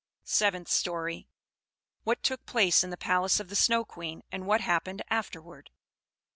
SEVENTH STORY. What Took Place in the Palace of the Snow Queen, and what Happened Afterward.